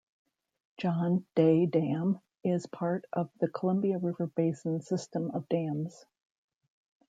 John Day Dam is part of the Columbia River Basin system of dams.